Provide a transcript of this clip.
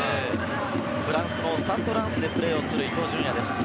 フランスのスタッド・ランスでプレーをする伊東純也です。